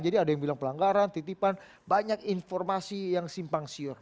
jadi ada yang bilang pelanggaran titipan banyak informasi yang simpang siur